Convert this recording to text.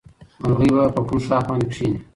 مرغۍ به په کوم ښاخ باندې کېني؟